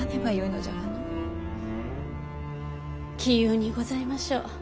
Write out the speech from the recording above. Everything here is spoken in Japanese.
杞憂にございましょう。